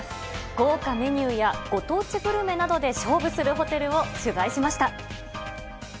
豪華メニューやご当地メニューなどで勝負するホテルを取材しました。